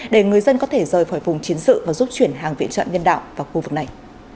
để người dân có thể rời khỏi vùng chiến sự và giúp chuyển hàng viện trận nhân đạo vào khu vực này